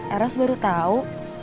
ers baru tahu